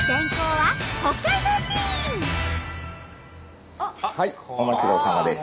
はいお待ちどおさまです。